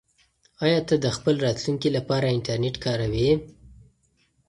آیا ته د خپل راتلونکي لپاره انټرنیټ کاروې؟